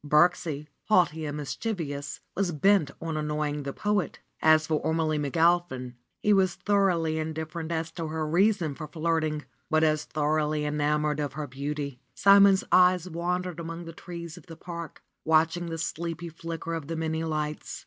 Birksie, haughty and mischievous, was bent on annoying the poet. As for Ormelie McAlpin, he 104 RENUNCIATION OF FRA SIMONETTA was thoroughly indifferent as to her reason for flirting; but as thoroughly enamored of her beauty. Simon's eyes wandered among the trees of the park, watching the sleepy flicker of the many lights.